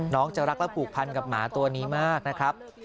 น้องจะรักและผูกพันกับหมาตัวนี้มากนะครับ